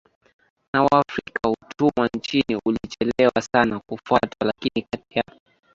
na Waafrika utumwa nchini ulichelewa sana kufutwa Lakini kati ya